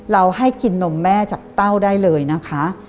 เราให้กินนมแม่จากเต้าได้เลยนะคะ